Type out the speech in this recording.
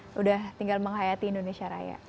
sudah tinggal menghayati indonesia raya